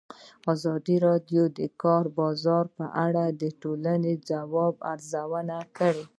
ازادي راډیو د د کار بازار په اړه د ټولنې د ځواب ارزونه کړې.